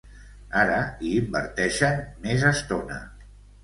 Ara hi inverteixen més estona.